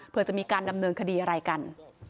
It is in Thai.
เพื่อจะมีการดำเนินคดีอะไรกัน